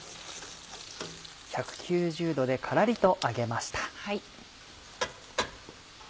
１９０℃でカラリと揚げました。